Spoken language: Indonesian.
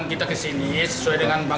ini dia korban